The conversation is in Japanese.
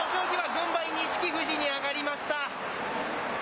軍配、錦富士に上がりました。